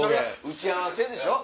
打ち合わせでしょ？